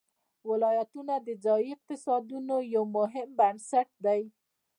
ولایتونه د ځایي اقتصادونو یو مهم بنسټ دی.